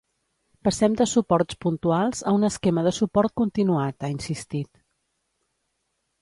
“Passem de suports puntuals a un esquema de suport continuat”, ha insistit.